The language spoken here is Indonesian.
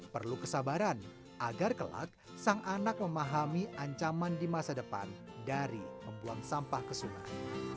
perlu kesabaran agar kelak sang anak memahami ancaman di masa depan dari membuang sampah ke sungai